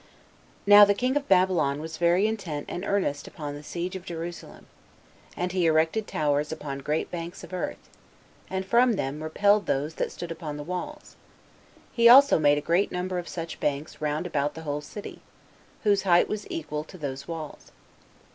1. Now the king of Babylon was very intent and earnest upon the siege of Jerusalem; and he erected towers upon great banks of earth, and from them repelled those that stood upon the walls; he also made a great number of such banks round about the whole city, whose height was equal to those walls.